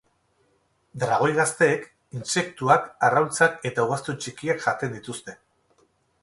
Dragoi gazteek, intsektuak, arrautzak eta ugaztun txikiak jaten dituzte.